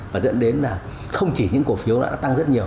và dẫn đến là không chỉ những cổ phiếu đã tăng rất nhiều